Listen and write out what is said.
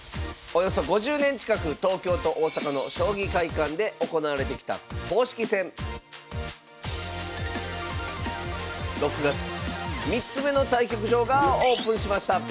およそ５０年近く東京と大阪の将棋会館で行われてきた公式戦６月３つ目の対局場がオープンしました。